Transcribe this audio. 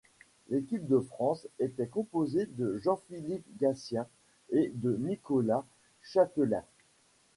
L'équipe de France était composée de Jean-Philippe Gatien et de Nicolas Chatelain.